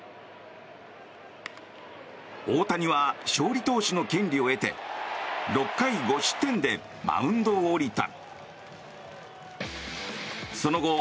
大谷は勝利投手の権利を得て６回５失点でマウンドを降りた。